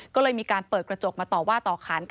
ก็เลยมีการเปิดกระจกมาต่อว่าต่อขานกัน